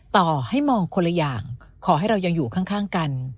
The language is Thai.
ต่อให้มองคนละอย่างขอให้เรายังอยู่ข้างกัน